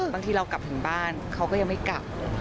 บางทีเรากลับถึงบ้านเขาก็ยังไม่กลับ